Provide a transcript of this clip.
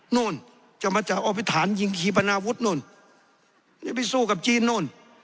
โน้นจะมาจากอภิษฐานกิจกรีมฮิปนาวุฒิโน้นจะไปสู้กับจีนโน้น